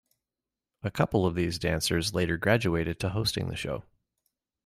A couple of these dancers later graduated to hosting the show.